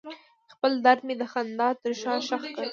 خپل درد مې د خندا تر شا ښخ کړ.